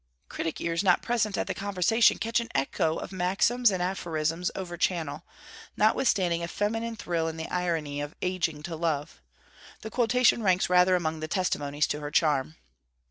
Critic ears not present at the conversation catch an echo of maxims and aphorisms overchannel, notwithstanding a feminine thrill in the irony of 'ageing to love.' The quotation ranks rather among the testimonies to her charm.